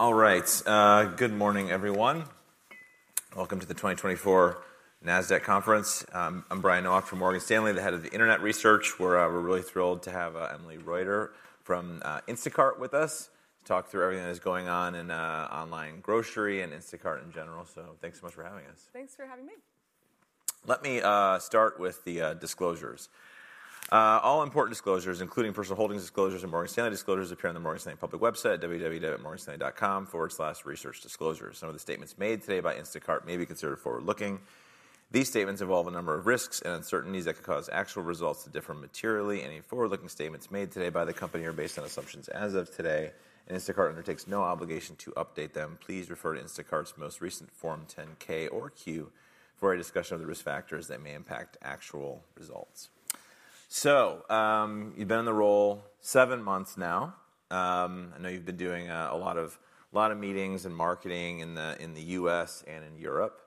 All right, good morning, everyone. Welcome to the 2024 Nasdaq Conference. I'm Brian Nowak from Morgan Stanley, the head of US Internet Research. We're really thrilled to have Emily Reuter from Instacart with us to talk through everything that is going on in online grocery and Instacart in general. So thanks so much for having us. Thanks for having me. Let me start with the disclosures. All important disclosures, including personal holdings disclosures and Morgan Stanley disclosures, appear on the Morgan Stanley public website, www.morganstanley.com/researchdisclosures. Some of the statements made today by Instacart may be considered forward-looking. These statements involve a number of risks and uncertainties that could cause actual results to differ materially. Any forward-looking statements made today by the company are based on assumptions as of today, and Instacart undertakes no obligation to update them. Please refer to Instacart's most recent Form 10-K or 10-Q for a discussion of the risk factors that may impact actual results. So you've been in the role seven months now. I know you've been doing a lot of meetings and marketing in the U.S. and in Europe.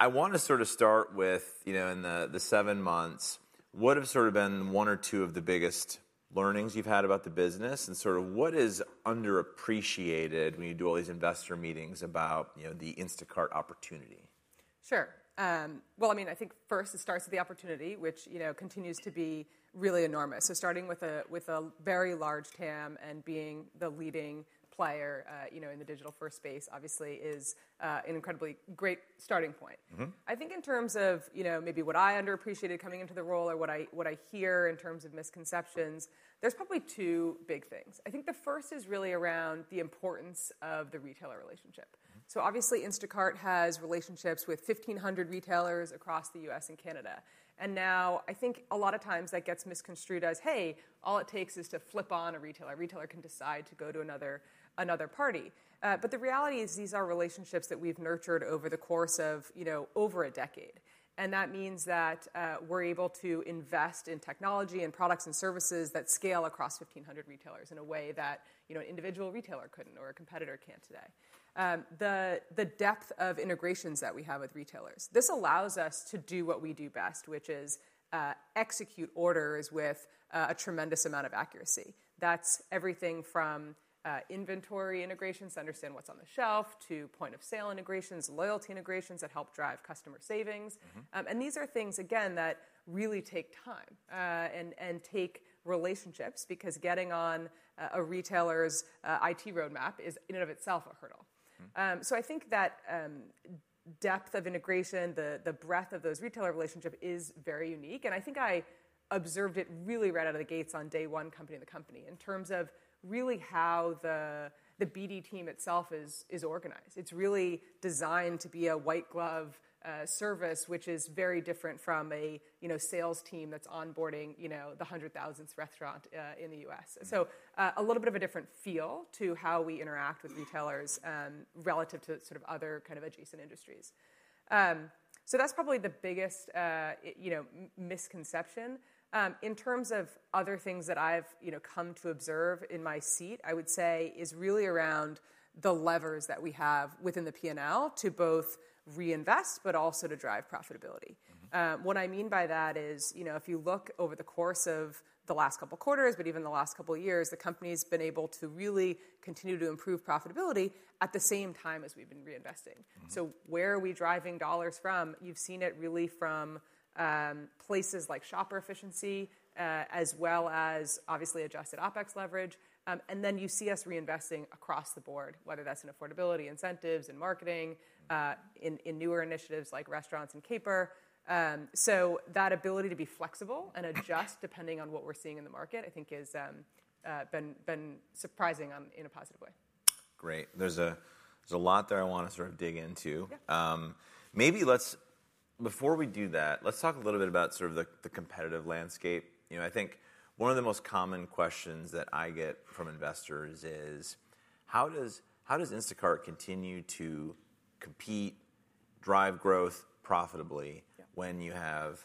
I want to sort of start with, in the seven months, what have sort of been one or two of the biggest learnings you've had about the business, and sort of what is underappreciated when you do all these investor meetings about the Instacart opportunity? Sure. Well, I mean, I think first it starts with the opportunity, which continues to be really enormous. So starting with a very large TAM and being the leading player in the digital-first space, obviously, is an incredibly great starting point. I think in terms of maybe what I underappreciated coming into the role or what I hear in terms of misconceptions, there's probably two big things. I think the first is really around the importance of the retailer relationship. So obviously, Instacart has relationships with 1,500 retailers across the U.S. and Canada. And now, I think a lot of times that gets misconstrued as, hey, all it takes is to flip on a retailer. A retailer can decide to go to another party. But the reality is these are relationships that we've nurtured over the course of over a decade. And that means that we're able to invest in technology and products and services that scale across 1,500 retailers in a way that an individual retailer couldn't or a competitor can't today. The depth of integrations that we have with retailers. This allows us to do what we do best, which is execute orders with a tremendous amount of accuracy. That's everything from inventory integrations to understand what's on the shelf to point-of-sale integrations, loyalty integrations that help drive customer savings. And these are things, again, that really take time and take relationships because getting on a retailer's IT roadmap is in and of itself a hurdle. So I think that depth of integration, the breadth of those retailer relationships is very unique. I think I observed it really right out of the gates on day one company to company in terms of really how the BD team itself is organized. It's really designed to be a white-glove service, which is very different from a sales team that's onboarding the 100,000th restaurant in the U.S. So a little bit of a different feel to how we interact with retailers relative to sort of other kind of adjacent industries. So that's probably the biggest misconception. In terms of other things that I've come to observe in my seat, I would say is really around the levers that we have within the P&L to both reinvest but also to drive profitability. What I mean by that is if you look over the course of the last couple of quarters, but even the last couple of years, the company has been able to really continue to improve profitability at the same time as we've been reinvesting. So where are we driving dollars from? You've seen it really from places like shopper efficiency, as well as obviously Adjusted OpEx leverage. And then you see us reinvesting across the board, whether that's in affordability, incentives, in marketing, in newer initiatives like restaurants and Caper. So that ability to be flexible and adjust depending on what we're seeing in the market, I think, has been surprising in a positive way. Great. There's a lot there I want to sort of dig into. Maybe before we do that, let's talk a little bit about sort of the competitive landscape. I think one of the most common questions that I get from investors is, how does Instacart continue to compete, drive growth profitably when you have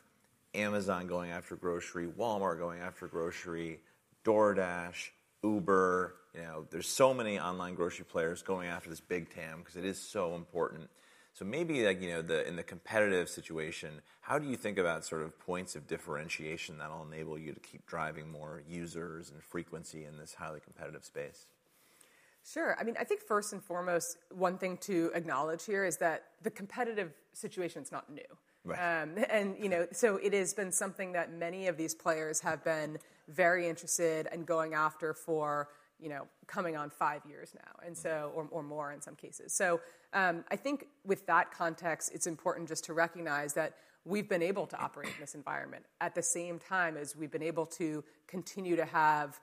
Amazon going after grocery, Walmart going after grocery, DoorDash, Uber? There's so many online grocery players going after this big TAM because it is so important. So maybe in the competitive situation, how do you think about sort of points of differentiation that'll enable you to keep driving more users and frequency in this highly competitive space? Sure. I mean, I think first and foremost, one thing to acknowledge here is that the competitive situation is not new, and so it has been something that many of these players have been very interested in going after for coming on five years now or more in some cases. So I think with that context, it's important just to recognize that we've been able to operate in this environment at the same time as we've been able to continue to have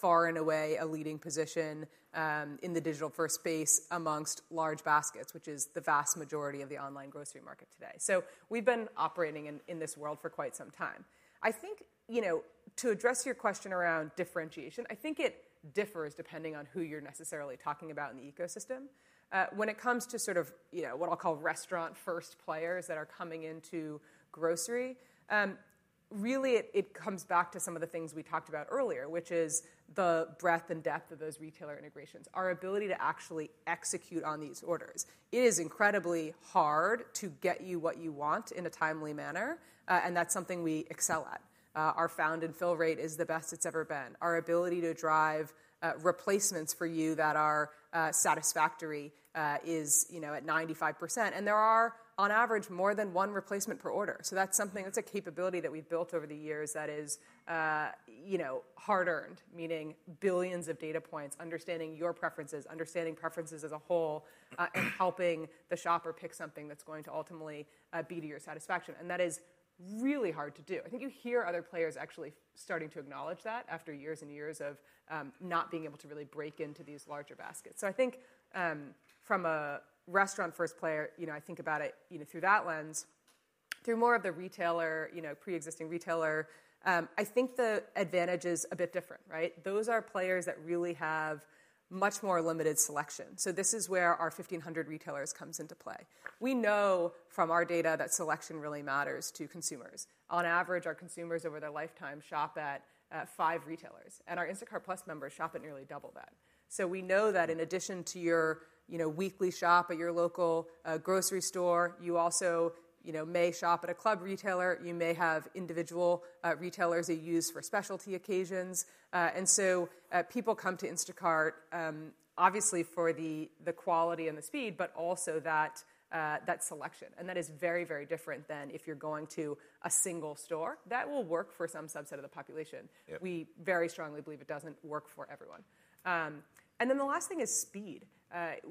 far and away a leading position in the digital-first space amongst large baskets, which is the vast majority of the online grocery market today, so we've been operating in this world for quite some time. I think to address your question around differentiation, I think it differs depending on who you're necessarily talking about in the ecosystem. When it comes to sort of what I'll call restaurant-first players that are coming into grocery, really it comes back to some of the things we talked about earlier, which is the breadth and depth of those retailer integrations, our ability to actually execute on these orders. It is incredibly hard to get you what you want in a timely manner. And that's something we excel at. Our found and fill rate is the best it's ever been. Our ability to drive replacements for you that are satisfactory is at 95%. And there are, on average, more than one replacement per order. So that's something that's a capability that we've built over the years that is hard-earned, meaning billions of data points, understanding your preferences, understanding preferences as a whole, and helping the shopper pick something that's going to ultimately be to your satisfaction. That is really hard to do. I think you hear other players actually starting to acknowledge that after years and years of not being able to really break into these larger baskets. So I think from a restaurant-first player, I think about it through that lens, through more of the retailer, pre-existing retailer, I think the advantage is a bit different. Those are players that really have much more limited selection. So this is where our 1,500 retailers comes into play. We know from our data that selection really matters to consumers. On average, our consumers over their lifetime shop at five retailers. And our Instacart Plus members shop at nearly double that. So we know that in addition to your weekly shop at your local grocery store, you also may shop at a club retailer. You may have individual retailers that you use for specialty occasions. People come to Instacart, obviously, for the quality and the speed, but also that selection. That is very, very different than if you're going to a single store that will work for some subset of the population. We very strongly believe it doesn't work for everyone. The last thing is speed.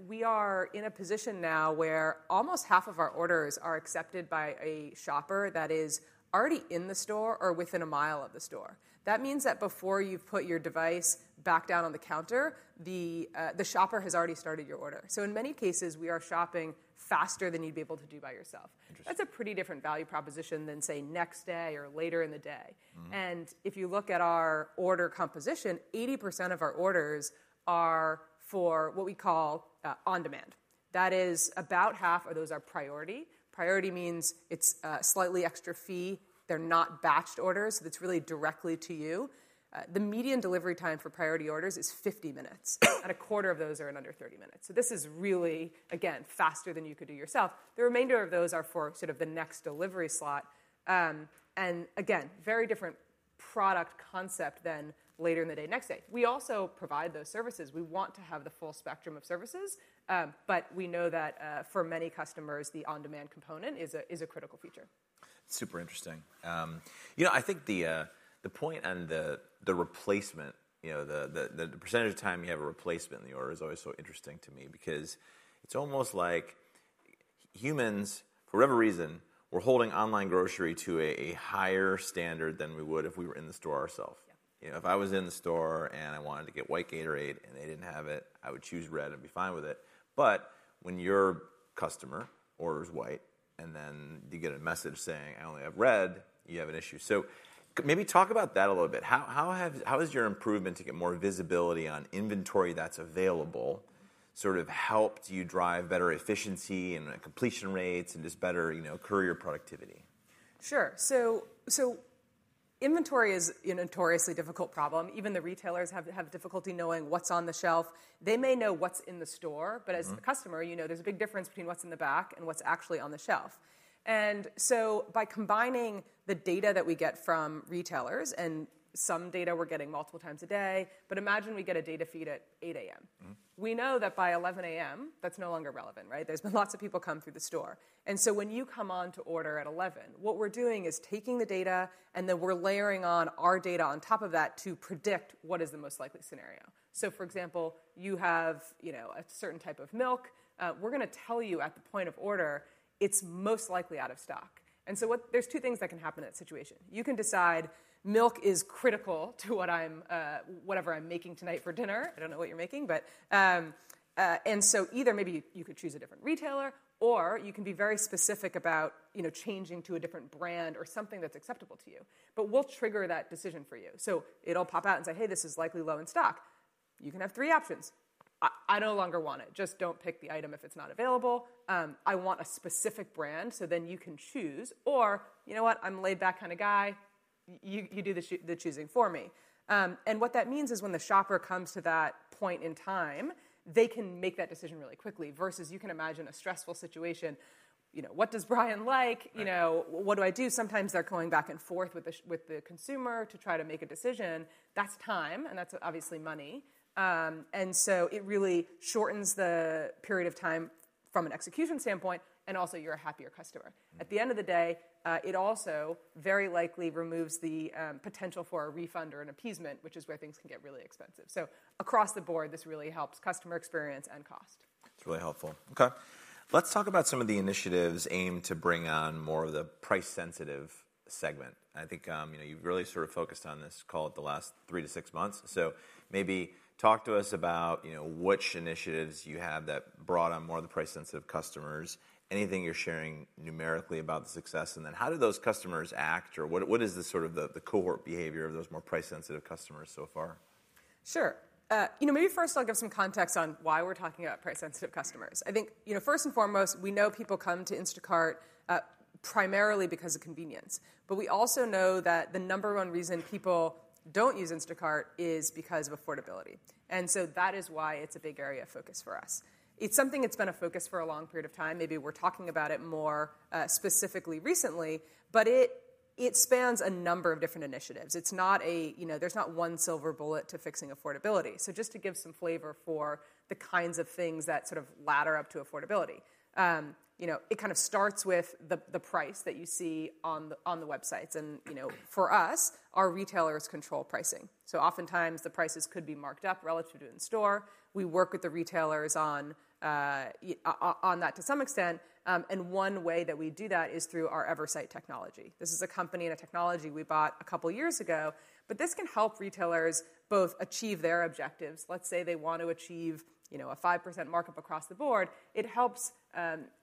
We are in a position now where almost half of our orders are accepted by a shopper that is already in the store or within a mile of the store. That means that before you put your device back down on the counter, the shopper has already started your order. In many cases, we are shopping faster than you'd be able to do by yourself. That's a pretty different value proposition than, say, next day or later in the day. And if you look at our order composition, 80% of our orders are for what we call on demand. That is about half of those are priority. Priority means it's a slightly extra fee. They're not batched orders. So it's really directly to you. The median delivery time for priority orders is 50 minutes. And a quarter of those are in under 30 minutes. So this is really, again, faster than you could do yourself. The remainder of those are for sort of the next delivery slot. And again, very different product concept than later in the day, next day. We also provide those services. We want to have the full spectrum of services. But we know that for many customers, the on-demand component is a critical feature. Super interesting. I think the point on the replacement, the percentage of time you have a replacement in the order is always so interesting to me because it's almost like humans, for whatever reason, we're holding online grocery to a higher standard than we would if we were in the store ourselves. If I was in the store and I wanted to get white Gatorade and they didn't have it, I would choose red and be fine with it. But when your customer orders white and then you get a message saying, "I only have red," you have an issue. So maybe talk about that a little bit. How has your improvement to get more visibility on inventory that's available sort of helped you drive better efficiency and completion rates and just better courier productivity? Sure, so inventory is a notoriously difficult problem. Even the retailers have difficulty knowing what's on the shelf. They may know what's in the store, but as a customer, there's a big difference between what's in the back and what's actually on the shelf, and so by combining the data that we get from retailers and some data we're getting multiple times a day, but imagine we get a data feed at 8:00 A.M., we know that by 11:00 A.M., that's no longer relevant. There's been lots of people come through the store, and so when you come on to order at 11:00 A.M., what we're doing is taking the data, and then we're layering on our data on top of that to predict what is the most likely scenario, so for example, you have a certain type of milk. We're going to tell you at the point of order, it's most likely out of stock. And so there's two things that can happen in that situation. You can decide milk is critical to whatever I'm making tonight for dinner. I don't know what you're making. And so either maybe you could choose a different retailer, or you can be very specific about changing to a different brand or something that's acceptable to you. But we'll trigger that decision for you. So it'll pop out and say, "Hey, this is likely low in stock." You can have three options. I no longer want it. Just don't pick the item if it's not available. I want a specific brand. So then you can choose. Or, you know what? I'm a laid-back kind of guy. You do the choosing for me. What that means is when the shopper comes to that point in time, they can make that decision really quickly versus you can imagine a stressful situation. What does Brian like? What do I do? Sometimes they're going back and forth with the consumer to try to make a decision. That's time. That's obviously money. So it really shortens the period of time from an execution standpoint. Also, you're a happier customer. At the end of the day, it also very likely removes the potential for a refund or an appeasement, which is where things can get really expensive. Across the board, this really helps customer experience and cost. It's really helpful. OK. Let's talk about some of the initiatives aimed to bring on more of the price-sensitive segment. I think you've really sort of focused on this in the last three to six months. So maybe talk to us about which initiatives you have that brought on more of the price-sensitive customers, anything you're sharing numerically about the success. And then how did those customers act? Or what is sort of the cohort behavior of those more price-sensitive customers so far? Sure. Maybe first I'll give some context on why we're talking about price-sensitive customers. I think first and foremost, we know people come to Instacart primarily because of convenience. But we also know that the number one reason people don't use Instacart is because of affordability. And so that is why it's a big area of focus for us. It's something that's been a focus for a long period of time. Maybe we're talking about it more specifically recently. But it spans a number of different initiatives. There's not one silver bullet to fixing affordability. So just to give some flavor for the kinds of things that sort of ladder up to affordability, it kind of starts with the price that you see on the websites. And for us, our retailers control pricing. So oftentimes, the prices could be marked up relative to in store. We work with the retailers on that to some extent. And one way that we do that is through our Eversight technology. This is a company and a technology we bought a couple of years ago. But this can help retailers both achieve their objectives. Let's say they want to achieve a 5% markup across the board. It helps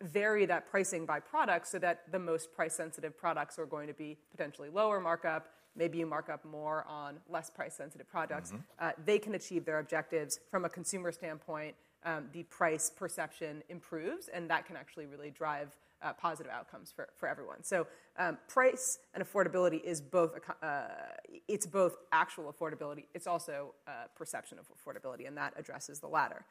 vary that pricing by product so that the most price-sensitive products are going to be potentially lower markup. Maybe you mark up more on less price-sensitive products. They can achieve their objectives. From a consumer standpoint, the price perception improves. And that can actually really drive positive outcomes for everyone. So price and affordability, it's both actual affordability. It's also a perception of affordability. And that addresses the latter.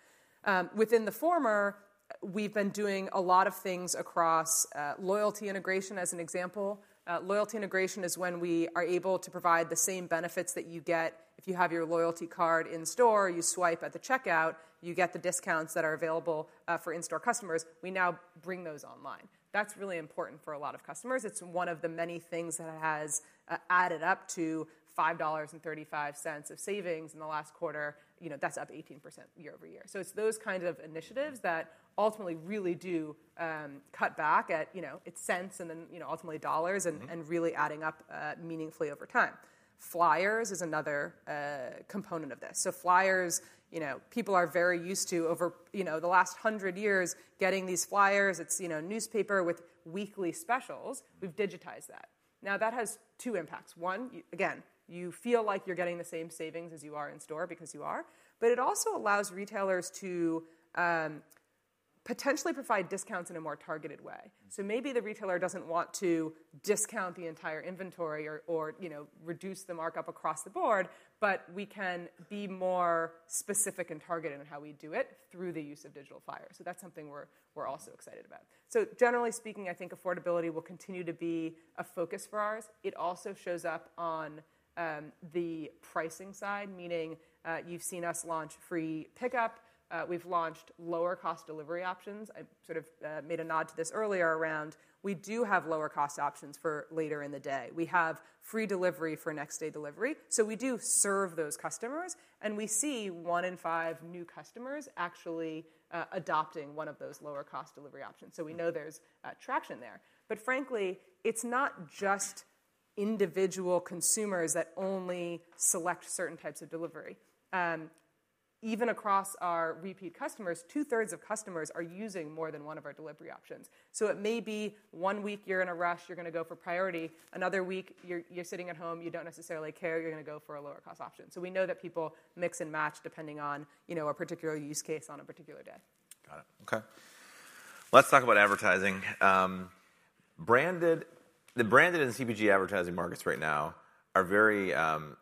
Within the former, we've been doing a lot of things across loyalty integration as an example. Loyalty integration is when we are able to provide the same benefits that you get if you have your loyalty card in store. You swipe at the checkout. You get the discounts that are available for in-store customers. We now bring those online. That's really important for a lot of customers. It's one of the many things that has added up to $5.35 of savings in the last quarter. That's up 18% year-over-year, so it's those kinds of initiatives that ultimately really do cut back at its cents and then ultimately dollars and really adding up meaningfully over time. Flyers is another component of this, so flyers, people are very used to over the last 100 years getting these flyers. It's newspaper with weekly specials. We've digitized that. Now, that has two impacts. One, again, you feel like you're getting the same savings as you are in store because you are. But it also allows retailers to potentially provide discounts in a more targeted way. So maybe the retailer doesn't want to discount the entire inventory or reduce the markup across the board. But we can be more specific and targeted in how we do it through the use of digital flyers. So that's something we're also excited about. So generally speaking, I think affordability will continue to be a focus for ours. It also shows up on the pricing side, meaning you've seen us launch free pickup. We've launched lower-cost delivery options. I sort of made a nod to this earlier around we do have lower-cost options for later in the day. We have free delivery for next-day delivery. So we do serve those customers. And we see one in five new customers actually adopting one of those lower-cost delivery options. So we know there's traction there. But frankly, it's not just individual consumers that only select certain types of delivery. Even across our repeat customers, 2/3 of customers are using more than one of our delivery options. So it may be one week you're in a rush. You're going to go for priority. Another week, you're sitting at home. You don't necessarily care. You're going to go for a lower-cost option. So we know that people mix and match depending on a particular use case on a particular day. Got it. OK. Let's talk about advertising. The branded and CPG advertising markets right now are very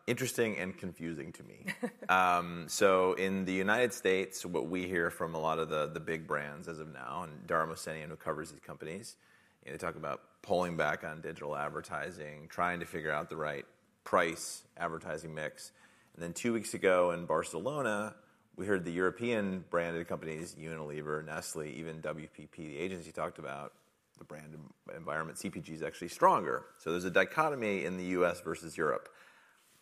interesting and confusing to me. So in the United States, what we hear from a lot of the big brands as of now and Dara Mohsenian, who covers these companies, they talk about pulling back on digital advertising, trying to figure out the right price advertising mix, and then two weeks ago in Barcelona, we heard the European branded companies, Unilever, Nestlé, even WPP, the agency talked about the brand environment, CPG is actually stronger, so there's a dichotomy in the U.S. versus Europe.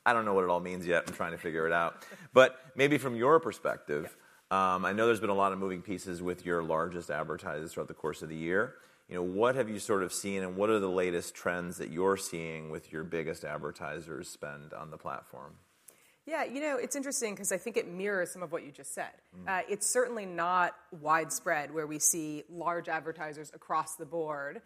I don't know what it all means yet. I'm trying to figure it out, but maybe from your perspective, I know there's been a lot of moving pieces with your largest advertisers throughout the course of the year. What have you sort of seen? What are the latest trends that you're seeing with your biggest advertisers spend on the platform? Yeah. You know, it's interesting because I think it mirrors some of what you just said. It's certainly not widespread where we see large advertisers across the board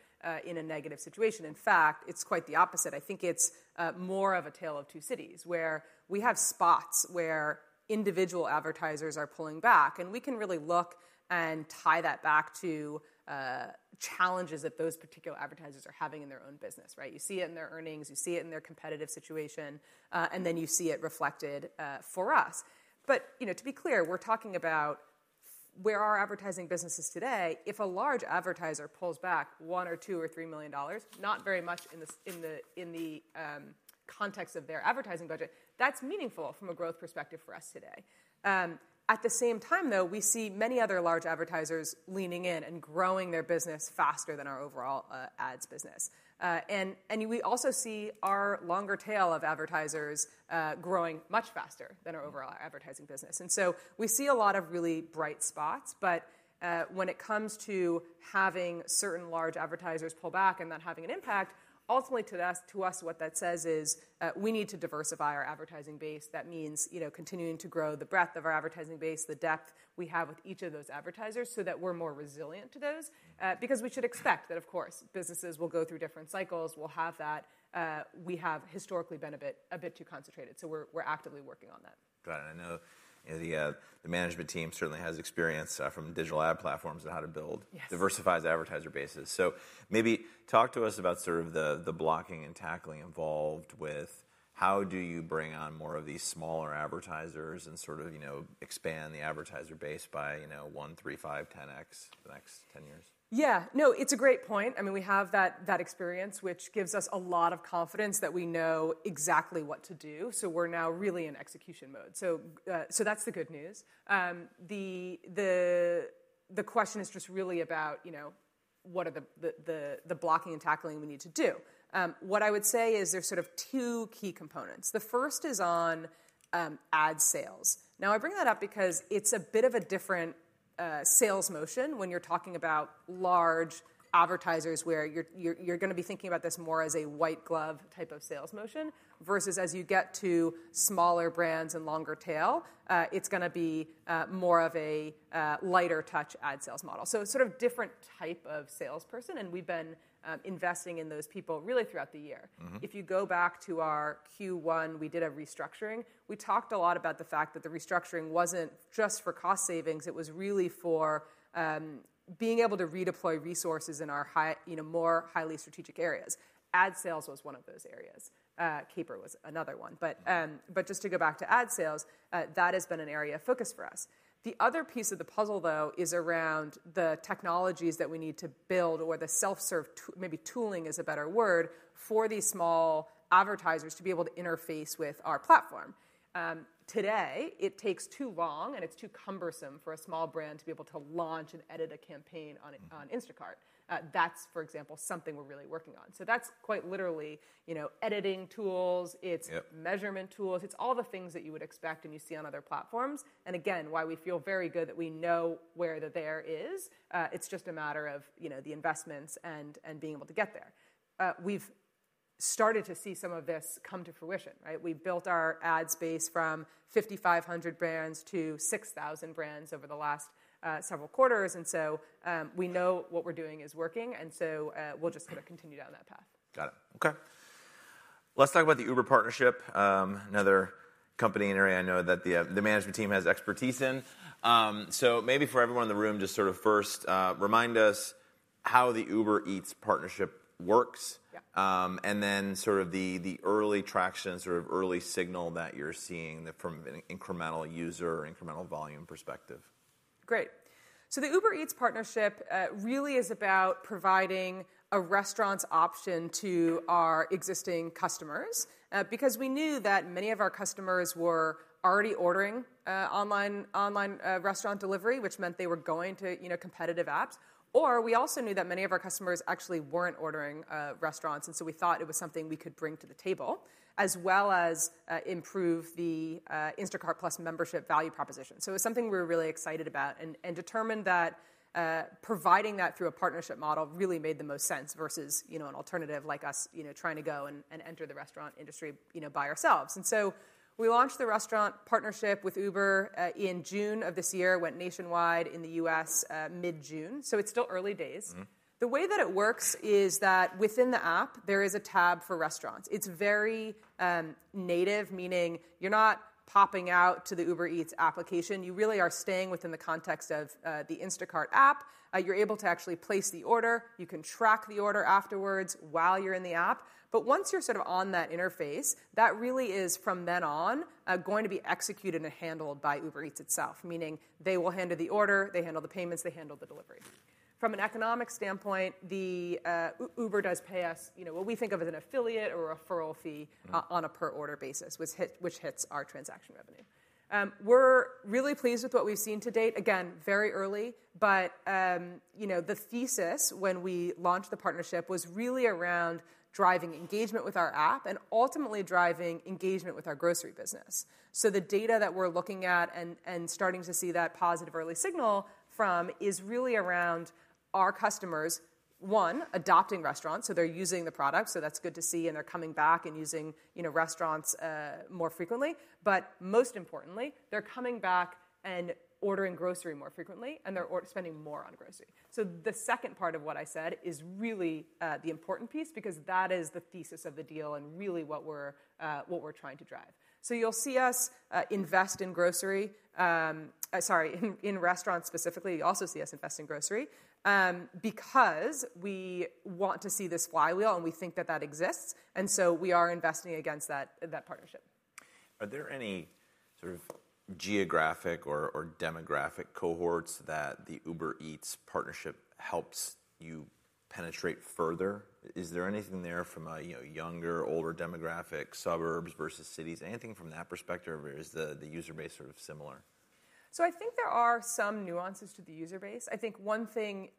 in a negative situation. In fact, it's quite the opposite. I think it's more of a tale of two cities where we have spots where individual advertisers are pulling back. And we can really look and tie that back to challenges that those particular advertisers are having in their own business. You see it in their earnings. You see it in their competitive situation. And then you see it reflected for us. But to be clear, we're talking about where our advertising business is today. If a large advertiser pulls back $1 million, $2 million, or $3 million, not very much in the context of their advertising budget, that's meaningful from a growth perspective for us today. At the same time, though, we see many other large advertisers leaning in and growing their business faster than our overall ads business. And we also see our longer tail of advertisers growing much faster than our overall advertising business. And so we see a lot of really bright spots. But when it comes to having certain large advertisers pull back and then having an impact, ultimately to us, what that says is we need to diversify our advertising base. That means continuing to grow the breadth of our advertising base, the depth we have with each of those advertisers so that we're more resilient to those. Because we should expect that, of course, businesses will go through different cycles. We'll have that. We have historically been a bit too concentrated. So we're actively working on that. Got it. I know the management team certainly has experience from digital ad platforms and how to build diversified advertiser bases. So maybe talk to us about sort of the blocking and tackling involved with how do you bring on more of these smaller advertisers and sort of expand the advertiser base by 1x, 3x, 5x, 10x the next 10 years? Yeah. No, it's a great point. I mean, we have that experience, which gives us a lot of confidence that we know exactly what to do. So we're now really in execution mode. So that's the good news. The question is just really about what are the blocking and tackling we need to do. What I would say is there's sort of two key components. The first is on ad sales. Now, I bring that up because it's a bit of a different sales motion when you're talking about large advertisers where you're going to be thinking about this more as a white glove type of sales motion versus as you get to smaller brands and longer tail, it's going to be more of a lighter touch ad sales model. So sort of different type of salesperson. And we've been investing in those people really throughout the year. If you go back to our Q1, we did a restructuring. We talked a lot about the fact that the restructuring wasn't just for cost savings. It was really for being able to redeploy resources in our more highly strategic areas. Ad sales was one of those areas. Caper was another one. But just to go back to ad sales, that has been an area of focus for us. The other piece of the puzzle, though, is around the technologies that we need to build or the self-serve, maybe tooling is a better word, for these small advertisers to be able to interface with our platform. Today, it takes too long and it's too cumbersome for a small brand to be able to launch and edit a campaign on Instacart. That's, for example, something we're really working on. So that's quite literally editing tools. It's measurement tools. It's all the things that you would expect and you see on other platforms, and again, why we feel very good that we know where the TAM is. It's just a matter of the investments and being able to get there. We've started to see some of this come to fruition. We've built our ad space from 5,500 brands to 6,000 brands over the last several quarters, and so we know what we're doing is working, and so we'll just continue down that path. Got it. OK. Let's talk about the Uber partnership, another company and area I know that the management team has expertise in. So maybe for everyone in the room, just sort of first remind us how the Uber Eats partnership works and then sort of the early traction, sort of early signal that you're seeing from an incremental user or incremental volume perspective. Great. So the Uber Eats partnership really is about providing a restaurants option to our existing customers because we knew that many of our customers were already ordering online restaurant delivery, which meant they were going to competitive apps. Or we also knew that many of our customers actually weren't ordering restaurants. And so we thought it was something we could bring to the table as well as improve the Instacart Plus membership value proposition. So it was something we were really excited about and determined that providing that through a partnership model really made the most sense versus an alternative like us trying to go and enter the restaurant industry by ourselves. And so we launched the restaurant partnership with Uber in June of this year. It went nationwide in the U.S. mid-June. So it's still early days. The way that it works is that within the app, there is a tab for restaurants. It's very native, meaning you're not popping out to the Uber Eats application. You really are staying within the context of the Instacart app. You're able to actually place the order. You can track the order afterwards while you're in the app. But once you're sort of on that interface, that really is from then on going to be executed and handled by Uber Eats itself, meaning they will handle the order. They handle the payments. They handle the delivery. From an economic standpoint, Uber does pay us what we think of as an affiliate or a referral fee on a per order basis, which hits our transaction revenue. We're really pleased with what we've seen to date. Again, very early. But the thesis when we launched the partnership was really around driving engagement with our app and ultimately driving engagement with our grocery business. So the data that we're looking at and starting to see that positive early signal from is really around our customers, one, adopting restaurants. So they're using the product. So that's good to see. And they're coming back and using restaurants more frequently. But most importantly, they're coming back and ordering grocery more frequently. And they're spending more on grocery. So the second part of what I said is really the important piece because that is the thesis of the deal and really what we're trying to drive. So you'll see us invest in grocery sorry, in restaurants specifically. You'll also see us invest in grocery because we want to see this flywheel. And we think that that exists. We are investing against that partnership. Are there any sort of geographic or demographic cohorts that the Uber Eats partnership helps you penetrate further? Is there anything there from a younger, older demographic, suburbs versus cities? Anything from that perspective? Or is the user base sort of similar? I think there are some nuances to the user base. I think one thing.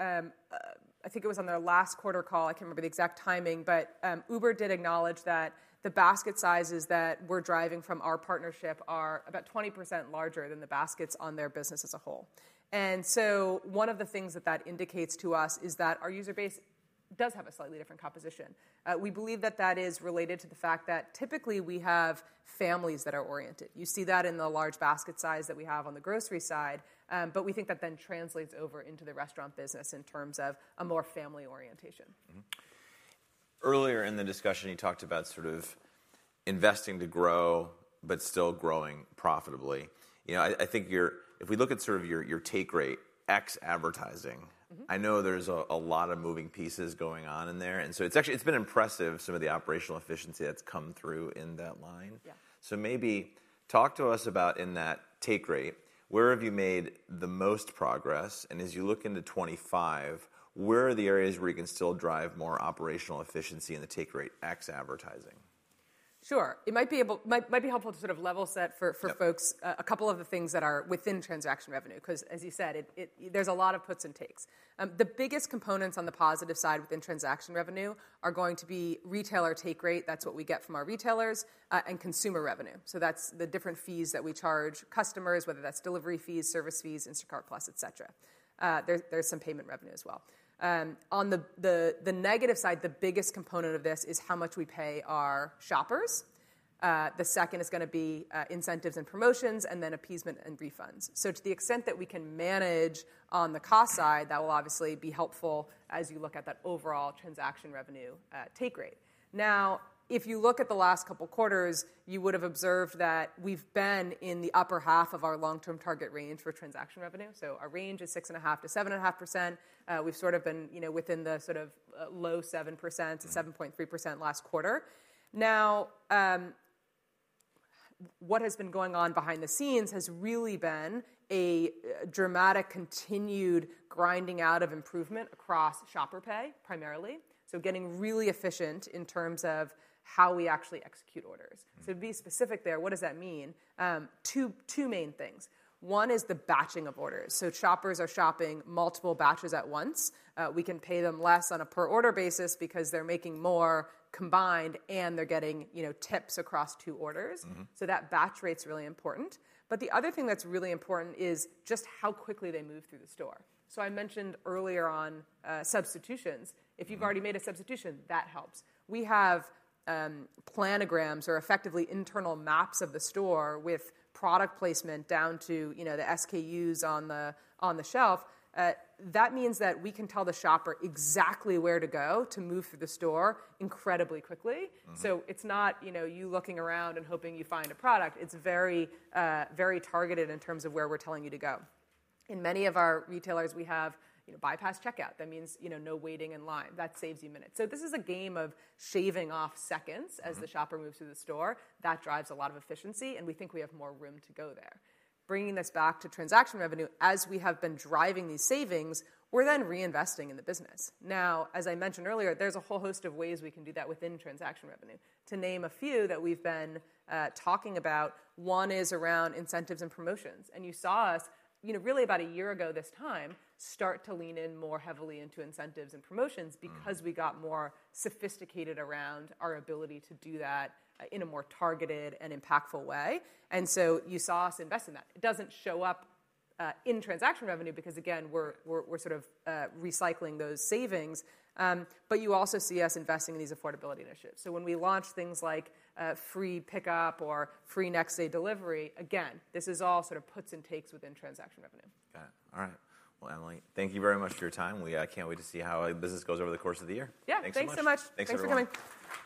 It was on their last quarter call. I can't remember the exact timing. Uber did acknowledge that the basket sizes that we're driving from our partnership are about 20% larger than the baskets on their business as a whole. One of the things that that indicates to us is that our user base does have a slightly different composition. We believe that that is related to the fact that typically we have families that are oriented. You see that in the large basket size that we have on the grocery side. We think that then translates over into the restaurant business in terms of a more family orientation. Earlier in the discussion, you talked about sort of investing to grow but still growing profitably. I think if we look at sort of your take rate ex advertising, I know there's a lot of moving parts going on in there, and so it's actually been impressive, some of the operational efficiency that's come through in that line, so maybe talk to us about in that take rate, where have you made the most progress, and as you look into 2025, where are the areas where you can still drive more operational efficiency in the take rate ex advertising? Sure. It might be helpful to sort of level set for folks a couple of the things that are within transaction revenue. Because as you said, there's a lot of puts and takes. The biggest components on the positive side within transaction revenue are going to be retailer take rate. That's what we get from our retailers and consumer revenue. So that's the different fees that we charge customers, whether that's delivery fees, service fees, Instacart Plus, et cetera. There's some payment revenue as well. On the negative side, the biggest component of this is how much we pay our shoppers. The second is going to be incentives and promotions and then appeasement and refunds. So to the extent that we can manage on the cost side, that will obviously be helpful as you look at that overall transaction revenue take rate. Now, if you look at the last couple of quarters, you would have observed that we've been in the upper half of our long-term target range for transaction revenue. So our range is 6.5%-7.5%. We've sort of been within the sort of low 7%-7.3% last quarter. Now, what has been going on behind the scenes has really been a dramatic continued grinding out of improvement across shopper pay primarily. So getting really efficient in terms of how we actually execute orders. So to be specific there, what does that mean? Two main things. One is the batching of orders. So shoppers are shopping multiple batches at once. We can pay them less on a per order basis because they're making more combined. And they're getting tips across two orders. So that batch rate's really important. But the other thing that's really important is just how quickly they move through the store. So I mentioned earlier on substitutions. If you've already made a substitution, that helps. We have planograms or effectively internal maps of the store with product placement down to the SKUs on the shelf. That means that we can tell the shopper exactly where to go to move through the store incredibly quickly. So it's not you looking around and hoping you find a product. It's very targeted in terms of where we're telling you to go. In many of our retailers, we have bypass checkout. That means no waiting in line. That saves you minutes. So this is a game of shaving off seconds as the shopper moves through the store. That drives a lot of efficiency. And we think we have more room to go there. Bringing this back to transaction revenue, as we have been driving these savings, we're then reinvesting in the business. Now, as I mentioned earlier, there's a whole host of ways we can do that within transaction revenue. To name a few that we've been talking about, one is around incentives and promotions. And you saw us really about a year ago this time start to lean in more heavily into incentives and promotions because we got more sophisticated around our ability to do that in a more targeted and impactful way. And so you saw us invest in that. It doesn't show up in transaction revenue because, again, we're sort of recycling those savings. But you also see us investing in these affordability initiatives. So when we launch things like free pickup or free next day delivery, again, this is all sort of puts and takes within transaction revenue. Got it. All right. Well, Emily, thank you very much for your time. We can't wait to see how the business goes over the course of the year. Yeah. Thanks so much. Thanks so much. Thanks so much. You, it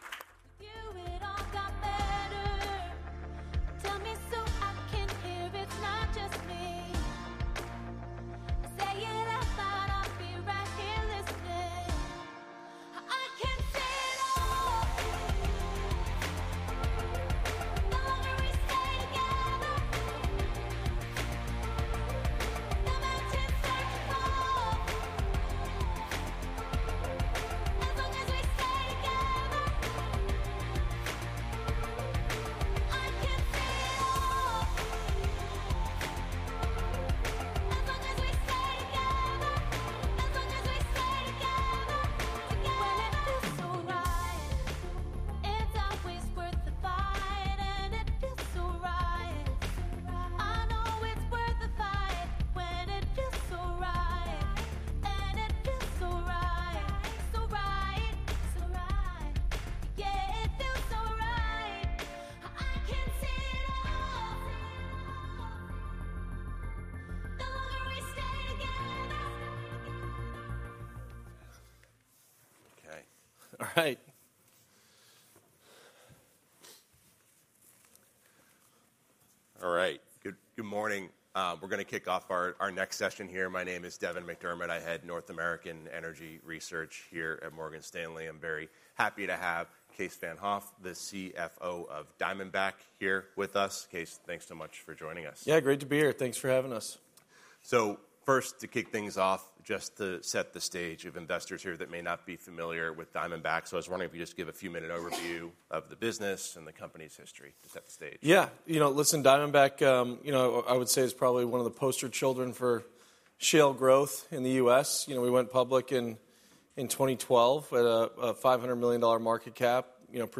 first, to kick things off, just to set the stage for investors here that may not be familiar with Diamondback. So I was wondering if you could just give a few-minute overview of the business and the company's history to set the stage. Yeah. You know, listen, Diamondback, I would say, is probably one of the poster children for shale growth in the U.S. We went public in 2012 with a $500 million market cap.